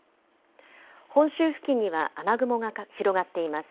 本州付近には雨雲が広がっています。